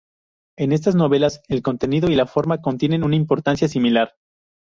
En estas novelas, el contenido y la forma tienen una importancia similar.